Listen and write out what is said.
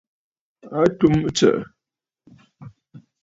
A tum ɨtsə̀ʼə̀.